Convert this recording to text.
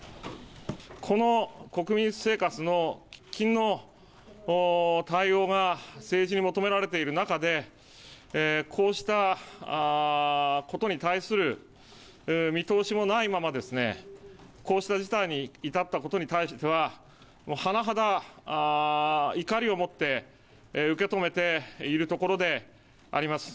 この国民生活の喫緊の対応が政治に求められている中で、こうしたことに対する見通しもないままですね、こうした事態に至ったことに対しては、甚だ怒りをもって受け止めているところであります。